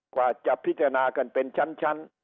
กว่าจะพิจารณากันเป็นชั้น